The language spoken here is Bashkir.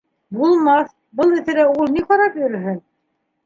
— Булмаҫ, был эҫелә ул ни ҡарап йөрөһөн.